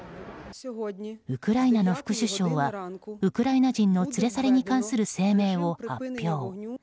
ウクライナの副首相はウクライナ人の連れ去りに関する声明を発表。